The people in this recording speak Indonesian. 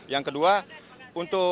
yang kedua untuk